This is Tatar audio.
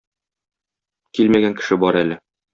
Килмәгән кеше бар әле.